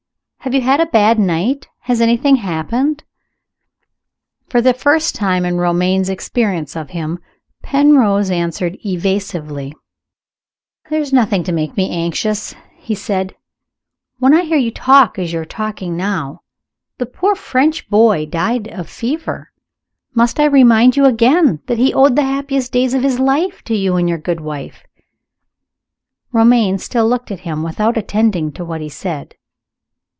Have you had a bad night? Has anything happened?" For the first time in Romayne's experience of him, Penrose answered evasively. "Is there nothing to make me anxious," he said, "when I hear you talk as you are talking now? The poor French boy died of a fever. Must I remind you again that he owed the happiest days of his life to you and your good wife?" Romayne still looked at him without attending to what he said.